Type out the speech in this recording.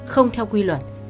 không theo quy luật